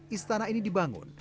istana ini dibangun